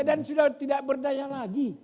dan sudah tidak berdaya lagi